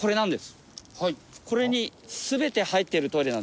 これに全て入っているトイレなんです。